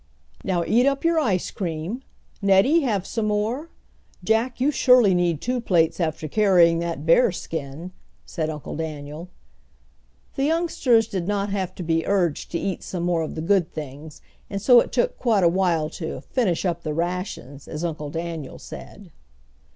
"Now eat up your ice cream. Nettie, have some more? Jack, you surely need two plates after carrying that bear skin," said Uncle Daniel. The youngsters did not have to be urged to eat some more of the good things, and so it took quite a while to "finish up the rations," as Uncle Daniel said.